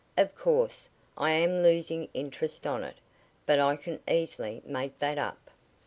Of course, I am losing interest on it, but I can easily make that up."